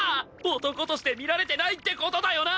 男として見られてないって事だよな！？